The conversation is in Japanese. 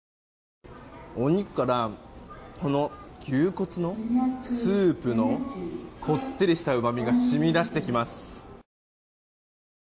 お肉から牛コツの、スープのこってりしたうまみが染み出してきます。